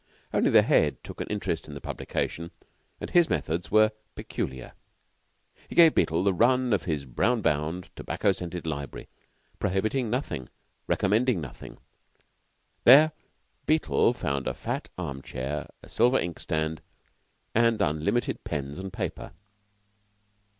Only the Head took an interest in the publication, and his methods were peculiar. He gave Beetle the run of his brown bound, tobacco scented library; prohibiting nothing, recommending nothing. There Beetle found a fat arm chair, a silver inkstand, and unlimited pens and paper.